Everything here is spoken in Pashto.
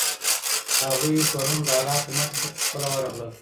هغوی پرون د حالاتو متن ته په خپله ورغلل.